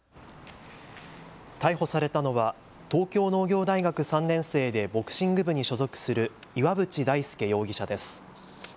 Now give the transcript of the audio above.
逮捕されたのは東京農業大学３年生でボクシング部に所属する岩渕大輔容疑者です。